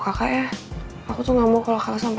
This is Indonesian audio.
ayah spemer pabrik cameraman